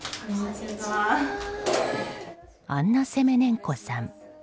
アンナ・セメネンコさん。